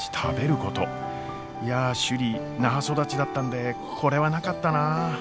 いや首里那覇育ちだったんでこれはなかったなあ。